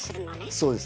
そうです。